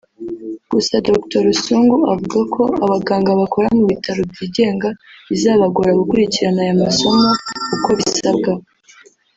Gusa Dr Rusungu avuga ko abaganga bakora mu bitaro byigenga bizabagora gukurikiran aya masomo uko bisabwa